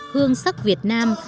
hương sắc việt nam